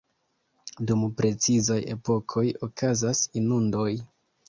Dum precizaj epokoj okazas inundoj.